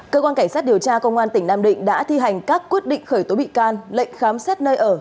cơ quan cảnh sát điều tra công an tỉnh nam định đã thi hành các quyết định khởi tố bị can lệnh khám xét nơi ở